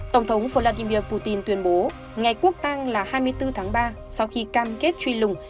tổng thống vladimir putin tuyên bố ngày quốc tăng là hai mươi bốn tháng ba sau khi cam kết truy lùng